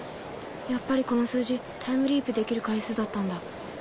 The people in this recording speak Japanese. やっぱりこの数字タイムリープできる回数だったんだ。